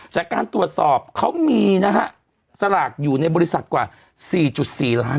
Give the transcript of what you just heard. จากการตรวจสอบเขามีนะฮะสลากอยู่ในบริษัทกว่า๔๔ล้าน